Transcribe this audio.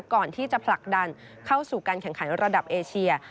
ก่อนที่จะผลักดันเข้าสู่การแข่งขันระดับเอเชีย